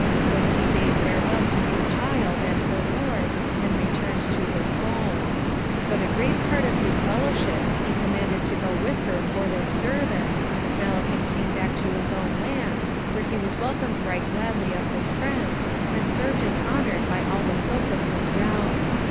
Then he bade farewell to his child and her lord, and returned to his home. But a great part of his fellowship he commanded to go with her for their service, Malakin came back to his own land, where he was welcomed right gladly of his friends, and served and honoured by all the folk of his realm.